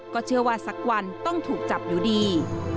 เชื่อว่าสักวันต้องถูกจับอยู่ดี